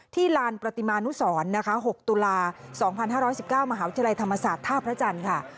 ลานประติมานุสรนะคะ๖ตุลา๒๕๑๙มหาวิทยาลัยธรรมศาสตร์ท่าพระจันทร์ค่ะ